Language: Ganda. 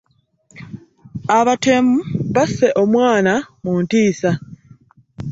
Abatemu basse omwana mu ntiisa.